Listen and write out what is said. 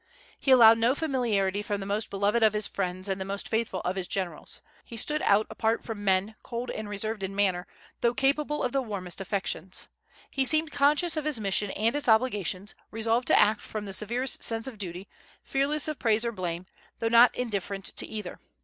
He allowed no familiarity from the most beloved of his friends and the most faithful of his generals. He stood out apart from men, cold and reserved in manner, though capable of the warmest affections. He seemed conscious of his mission and its obligations, resolved to act from the severest sense of duty, fearless of praise or blame, though not indifferent to either.